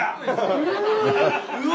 う！わ！